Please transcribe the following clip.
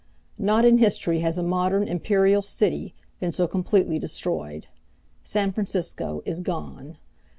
Not in history has a modern imperial city been so completely destroyed. San Francisco is gone.